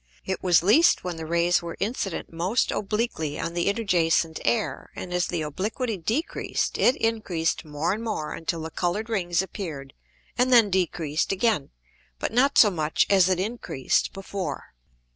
It was least when the Rays were incident most obliquely on the interjacent Air, and as the obliquity decreased it increased more and more until the colour'd Rings appear'd, and then decreased again, but not so much as it increased before.